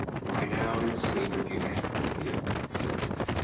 'Lie down and sleep if you can, Olivia,' he said.